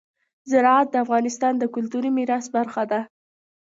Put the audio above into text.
زراعت د افغانستان د کلتوري میراث برخه ده.